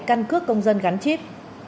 thẻ căn cước công dân gắn chip